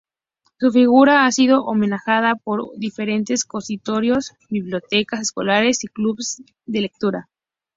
Su figura ha sido homenajeada por diferentes consistorios, bibliotecas escolares y clubes de lectura.